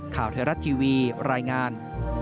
ข่าวไทยรัฐทีวีรายงาน